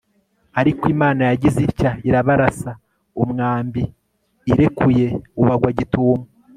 ariko imana yagize itya irabarasa, umwambi irekuye ubagwa gitumo